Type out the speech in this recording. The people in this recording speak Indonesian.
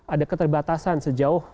ada keterbatasan sejauh